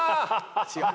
違う。